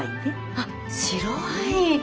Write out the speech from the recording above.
あっ白ワイン！